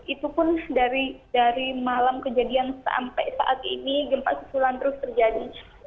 itu pun dari malam kejadian sampai saat ini gempa susulan terus terjadi